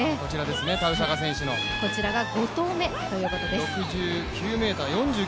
こちらが５投目ということです。